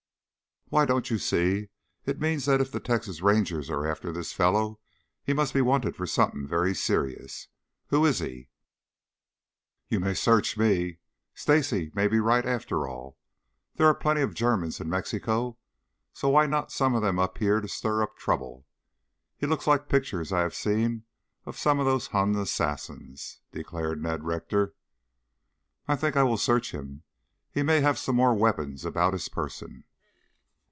"Why, don't you see, it means that if the Texas Rangers are after this fellow he must be wanted for something very serious. Who is he?" "You may search me. Stacy may be right after all. There are plenty of Germans in Mexico, so why not some of them up here to stir up trouble? He looks like pictures I have seen of some of those Hun assassins," declared Ned Rector. "I think I will search him. He may have some more weapons about his person."